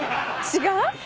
違う？